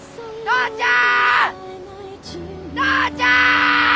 父ちゃん！